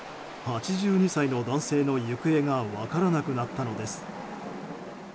８２歳の男性の行方が分からなくなったのです。